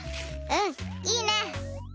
うんいいね。